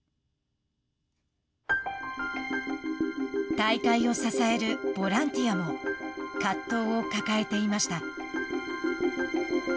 大会を支えるボランティアも葛藤を抱えていました。